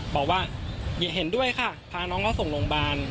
บอกว่าอย่าเห็นด้วยค่ะพาน้องเขาส่งโรงพยาบาล